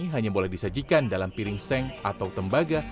hanya boleh disajikan dalam piring seng atau tembaga